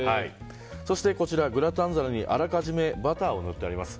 そして、グラタン皿にあらかじめバターを塗ってあります。